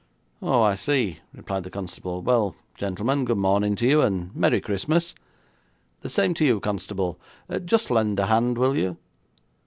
'Oh, I see,' replied the constable. 'Well, gentlemen, good morning to you, and merry Christmas.' 'The same to you, constable. Just lend a hand, will you?'